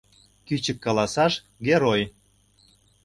Кӱчык каласаш: герой